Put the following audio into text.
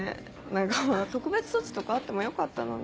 何か特別措置とかあってもよかったのに。